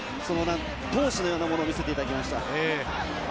闘志のようなものを見せていただきました。